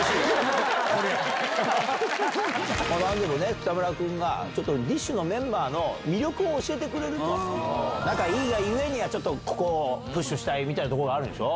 北村君がちょっとＤＩＳＨ／／のメンバーの魅力を教えてくれると、仲いいがゆえに、ここをちょっとプッシュしたいみたいなところがあるんでしょう？